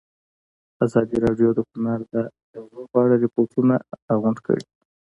ازادي راډیو د هنر د اغېزو په اړه ریپوټونه راغونډ کړي.